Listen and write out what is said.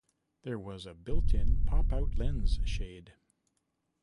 There was a built-in, pop out lens shade.